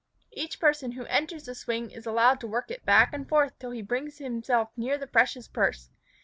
Each person who enters the swing is allowed to work it back and forth till he brings himself near the precious purse.